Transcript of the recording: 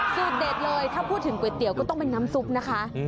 เด็ดเลยถ้าพูดถึงก๋วยเตี๋ยวก็ต้องเป็นน้ำซุปนะคะ